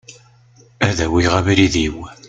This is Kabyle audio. Ad awiɣ abrid-iw.